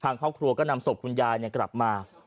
ทางครอบครัวก็นำศพคุณยายกลับมา